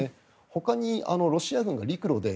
ほかにロシア軍が陸路で